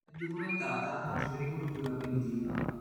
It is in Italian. È documentata anche agricoltura primitiva.